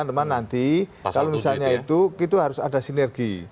cuma nanti kalau misalnya itu itu harus ada sinergi